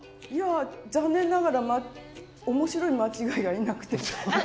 いや残念ながら面白い間違いがいなくて。